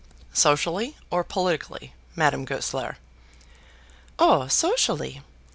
"Socially, or politically, Madame Goesler?" "Oh, socially.